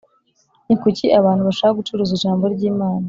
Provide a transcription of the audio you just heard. ni kuki abantu bashaka gucuruza ijambo ry ‘Imana